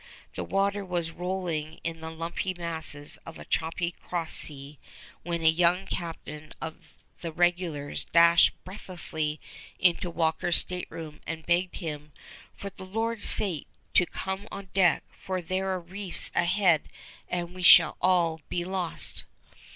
The water was rolling in the lumpy masses of a choppy cross sea when a young captain of the regulars dashed breathlessly into Walker's stateroom and begged him "for the Lord's sake to come on deck, for there are reefs ahead and we shall all be lost!"